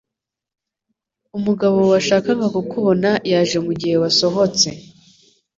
Umugabo washakaga kukubona yaje mugihe wasohotse.